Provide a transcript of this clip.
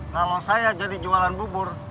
kalau saya jadi jualan bubur